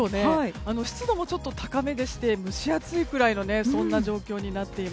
湿度もちょっと高めでして蒸し暑いくらいな状況です。